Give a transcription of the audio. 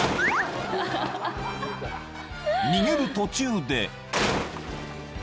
［逃げる途中で］